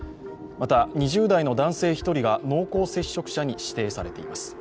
また、２０代の男性１人が濃厚接触者に指定されています。